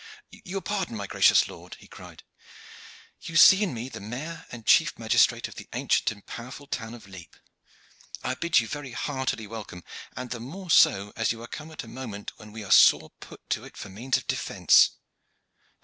"Your pardon, my gracious lord," he cried. "You see in me the mayor and chief magistrate of the ancient and powerful town of Lepe. I bid you very heartily welcome, and the more so as you are come at a moment when we are sore put to it for means of defence."